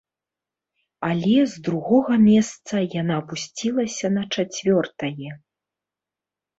Але з другога месца яна апусцілася на чацвёртае.